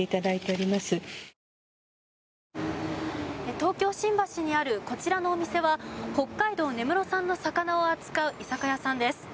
東京・新橋にあるこちらのお店は北海道根室産の魚を扱う居酒屋さんです。